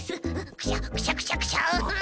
クシャクシャクシャクシャ。